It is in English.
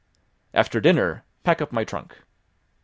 "After dinner, pack up my trunk."